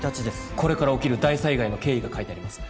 これから起きる大災害の経緯が書いてあります